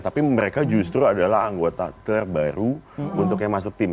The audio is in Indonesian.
tapi mereka justru adalah anggota terbaru untuk yang masuk tim